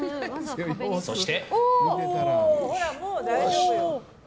そして。